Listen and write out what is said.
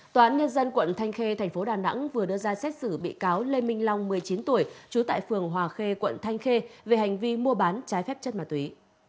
tòa án nhân dân quận thanh khê thành phố đà nẵng vừa đưa ra xét xử bị cáo lê minh long một mươi chín tuổi trú tại phường hòa khê quận thanh khê về hành vi mua bán trái phép chất ma túy